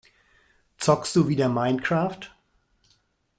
Zockst du wieder Minecraft?